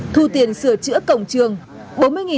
thu tiền sửa chữa cổng trường